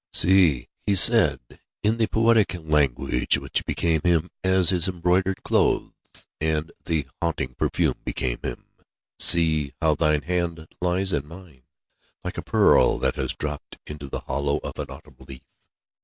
"See," he said, in the poetic language which became him as his embroidered clothes and the haunting perfume became him; "see, how thine hand lies in mine like a pearl that has dropped into the hollow of an autumn leaf.